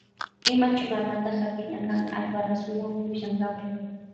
Ima churanata hapina kan Alba rasuwa pukllankapa.